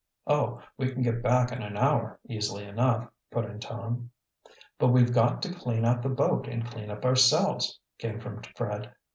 "Oh, we can get back in an hour easily enough," put in Tom. "But we've got to clean out the boat and clean up ourselves," came from Fred.